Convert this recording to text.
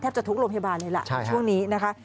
จะทุกโรงพยาบาลเลยล่ะช่วงนี้นะคะ